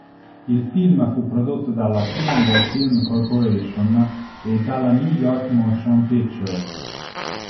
Il film fu prodotto dalla Triangle Film Corporation e dalla New York Motion Picture.